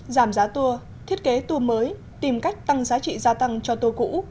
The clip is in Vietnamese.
giảm giá tour thiết kế tour mới tìm cách tăng giá trị gia tăng cho tour cũ